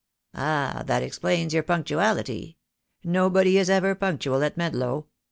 "Ah! that explains your punctuality. Nobody is ever punctual at Medlow.